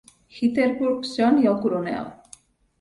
Jitterbugs JOHN i el CORONEL.